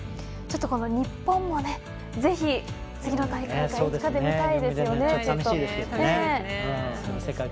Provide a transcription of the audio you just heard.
ちょっと、この日本もぜひ、次の大会もいつか見たいですよね。